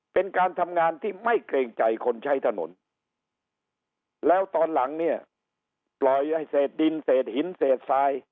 เป็นการทำงานที่ไม่เกรงใจคนใช้ถนนแล้วตอนหลังเนี่ยปล่อยให้เศษดินเศษหินเศษทราย